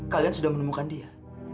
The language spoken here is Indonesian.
kalian sudah menemukan dia